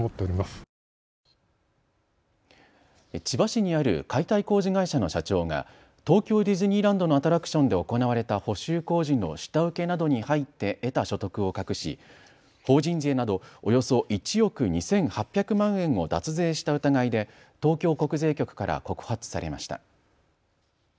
千葉市にある解体工事会社の社長が東京ディズニーランドのアトラクションで行われた補修工事の下請けなどに入って得た所得を隠し、法人税などおよそ１億２８００万円を脱税した疑いで東京国税局から告発されました。